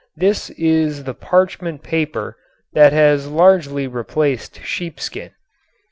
This is the "parchment paper" that has largely replaced sheepskin.